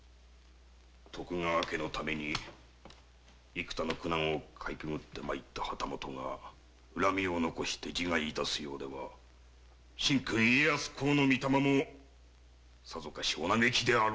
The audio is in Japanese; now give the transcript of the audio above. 徳川家のために幾多の苦難をかいくぐって参った旗本が恨みを残して自害を致すようでは神君家康公の御霊もさぞかしおなげきであろうの。